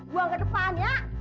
buang ke depan ya